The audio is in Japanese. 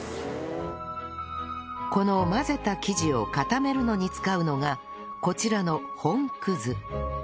この混ぜた生地を固めるのに使うのがこちらの本葛